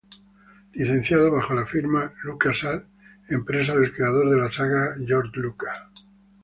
Licenciado bajo la firma LucasArts, empresa del creador de la saga, George Lucas.